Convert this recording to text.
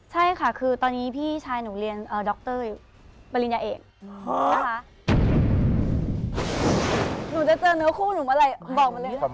ใช่ค่ะคือตอนนี้พี่ชายหนูเรียนดรปริญญาเอก